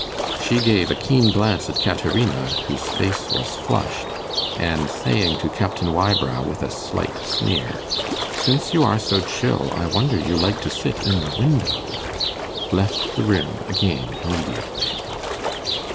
She gave a keen glance at Caterina, whose face was flushed, and saying to Captain Wybrow with a slight sneer, 'Since you are so chill I wonder you like to sit in the window,' left the room again immediately.